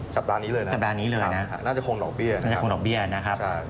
สัปดาห์นี้เลยนะครับน่าจะคงดอกเบี้ยนะครับใช่